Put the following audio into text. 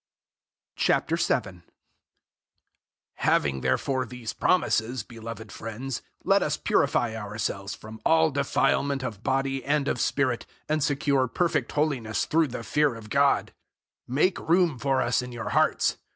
007:001 Having therefore these promises, beloved friends, let us purify ourselves from all defilement of body and of spirit, and secure perfect holiness through the fear of God. 007:002 Make room for us in your hearts.